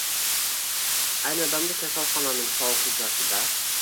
Ayni dam kasalxonaning sovuq hujrasida